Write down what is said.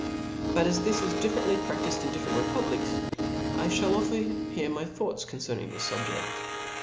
But as this is differently prac tifed in different republics, I (hall offer here my thoughts concerning this fubjeft.